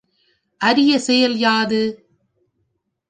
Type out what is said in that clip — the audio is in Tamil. அரிய செயல் யாது?